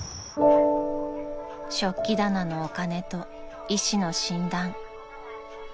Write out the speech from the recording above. ［食器棚のお金と医師の診断］